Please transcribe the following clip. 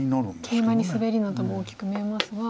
ケイマにスベリなども大きく見えますが。